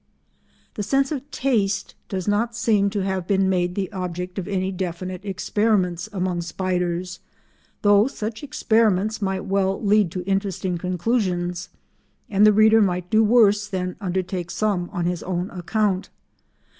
The sense of taste does not seem to have been made the subject of any definite experiments among spiders, though such experiments might well lead to interesting conclusions, and the reader might do worse than undertake some on his own account.